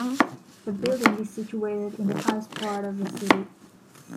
The building is situated in the highest part of the city.